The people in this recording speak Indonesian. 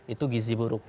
itu gizi buruk